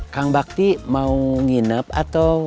kang bakti mau nginep atau